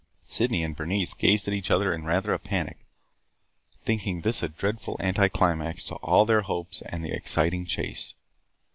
Sydney and Bernice gazed at each other in rather a panic, thinking this a dreadful anticlimax to all their hopes and the exciting chase.